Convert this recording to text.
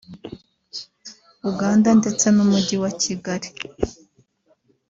Uganda ndetse n’umujyi wa Kigali